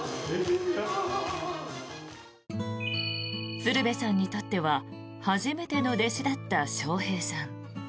鶴瓶さんにとっては初めての弟子だった笑瓶さん。